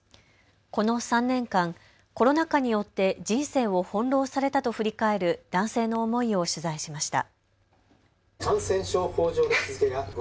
この３年間、コロナ禍によって人生を翻弄されたと振り返る男性の思いを取材しました。